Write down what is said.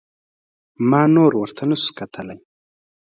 ما نور ورته نسو کتلى.